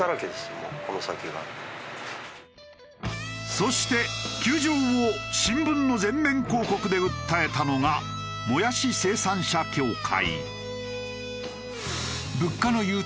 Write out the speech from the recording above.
そして窮状を新聞の全面広告で訴えたのがもやし生産者協会。